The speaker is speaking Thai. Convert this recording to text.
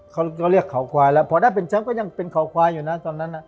เขาก็เรียกเขาควายแล้วพอได้เป็นแชมป์ก็ยังเป็นเขาควายอยู่นะตอนนั้น